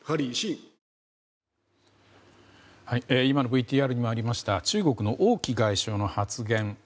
今のＶＴＲにもありました中国の王毅外相の発言